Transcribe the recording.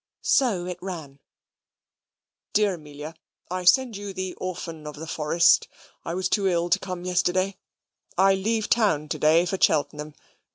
So it ran: Dear Amelia, I send you the "Orphan of the Forest." I was too ill to come yesterday. I leave town to day for Cheltenham.